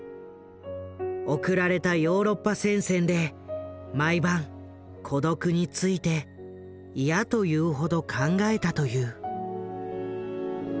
送られたヨーロッパ戦線で毎晩孤独について嫌というほど考えたという。